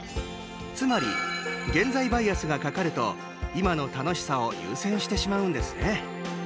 つまり、現在バイアスがかかると今の楽しさを優先してしまうんですね。